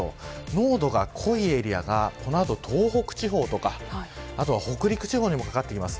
濃度が濃いエリアがこの後、東北地方とかあとは北陸地方にもかかっています。